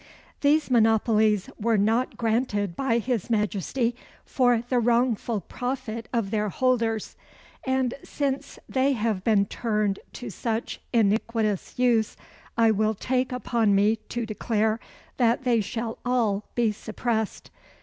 "These monopolies were not granted by his Majesty for the wrongful profit of their holders; and, since they have been turned to such iniquitous use, I will take upon me to declare that they shall all be suppressed.